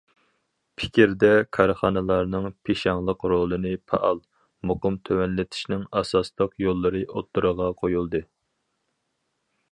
« پىكىر» دە كارخانىلارنىڭ پىشاڭلىق رولىنى پائال، مۇقىم تۆۋەنلىتىشنىڭ ئاساسلىق يوللىرى ئوتتۇرىغا قويۇلدى.